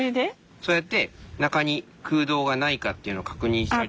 そうやって中に空洞がないかっていうのを確認したり。